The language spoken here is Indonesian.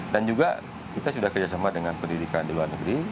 juga kita sudah kerjasama dengan pendidikan di luar negeri